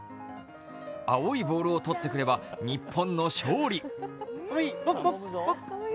青いボールを取ってくれば日本の勝利。